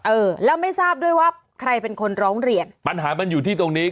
เออแล้วไม่ทราบด้วยว่าใครเป็นคนร้องเรียนปัญหามันอยู่ที่ตรงนี้